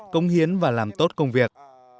công hiến và làm tốt công việc